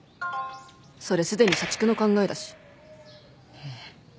「それすでに社畜の考えだし」えっ？